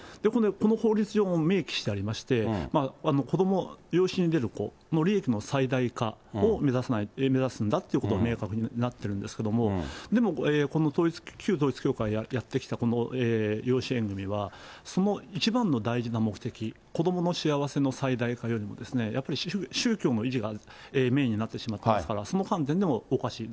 この法律上も明記してありまして、子ども、養子に出る子の利益の最大化を目指すんだということが明確になっているんですけれども、でもこの旧統一教会がやってきたこの養子縁組は、その一番の大事な目的、子どもの幸せの最大化よりも、やっぱり宗教の維持がメインになってしまっていますから、その観点でもおかしい。